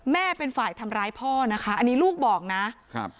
แม่เป็นฝ่ายทำร้ายพ่อนะคะอันนี้ลูกบอกนะครับ